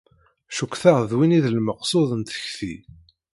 Cukkteɣ d win i d lmeqsud n tekti.